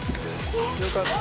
よかった。